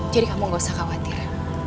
jadi kamu gak usah khawatir